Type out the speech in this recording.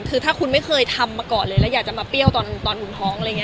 คือถ้าคุณไม่เคยทำก่อนเลยแล้วอยากมาเบี้ยวตอนดูคล้อง